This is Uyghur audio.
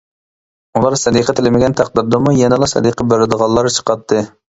ئۇلار سەدىقە تىلىمىگەن تەقدىردىمۇ، يەنىلا سەدىقە بېرىدىغانلار چىقاتتى.